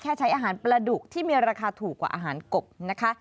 ใช้อาหารปลาดุกที่มีราคาถูกกว่าอาหารกบนะคะ